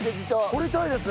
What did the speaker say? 掘りたいです。